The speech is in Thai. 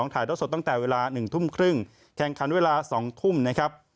ถ่ายตัวสดตั้งแต่เวลา๒๑๓๐นแข่งขันเวลา๒๐๐๐นนะครับ